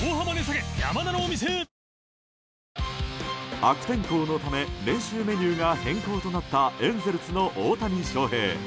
悪天候のため練習メニューが変更となったエンゼルスの大谷翔平。